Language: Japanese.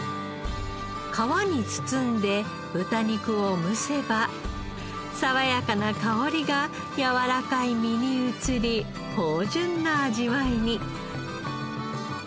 皮に包んで豚肉を蒸せば爽やかな香りがやわらかい身に移り芳醇な味わいに。